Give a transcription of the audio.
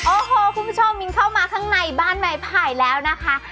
โอ้โหคุณผู้ชมมินเข้ามาข้างในบ้านไม้ไผ่แล้วนะคะ